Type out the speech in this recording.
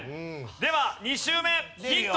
では２周目ヒント